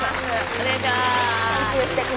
お願いします。